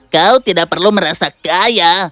kau tidak perlu merasa kaya